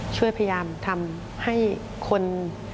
ช่วยพยายามทำให้คน